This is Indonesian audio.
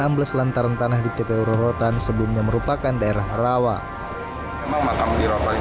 ambles lantaran tanah diy rorotan sebelumnya merupakan daerah rawa memang maaf di rova